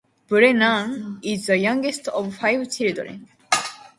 Brennan is the youngest of five children.